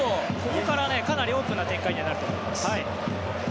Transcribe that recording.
ここからかなりオープンな展開にはなると思います。